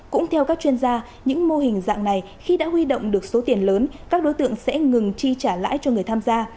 cũng theo các chuyên gia những mô hình dạng này khi đã huy động được số tiền lớn các đối tượng sẽ ngừng chi trả lãi cho người tham gia